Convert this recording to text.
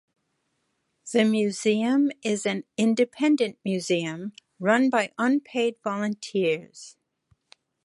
The museum is an independent museum run by unpaid volunteers.